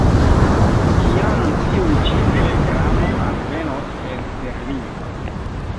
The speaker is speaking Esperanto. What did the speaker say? Kiam tiu ĉi telegramo alvenos en Berlino?